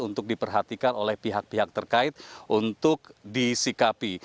untuk diperhatikan oleh pihak pihak terkait untuk disikapi